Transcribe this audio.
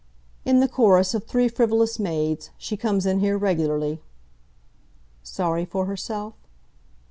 "In the chorus of 'Three Frivolous Maids.' She comes in here regularly." "Sorry for herself?"